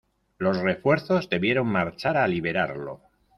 Los refuerzos debieron marchar a liberarlo.